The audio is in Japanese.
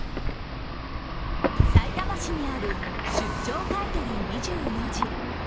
さいたま市にある出張買い取り２４時。